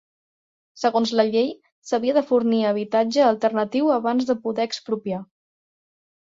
Segons la llei, s'havia de fornir habitatge alternatiu abans de poder expropiar.